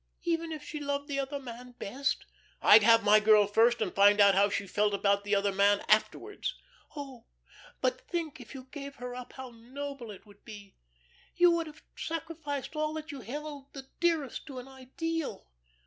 "Even if she loved the other man best?" "I'd have my girl first, and find out how she felt about the other man afterwards." "Oh, but think if you gave her up, how noble it would be. You would have sacrificed all that you held the dearest to an ideal.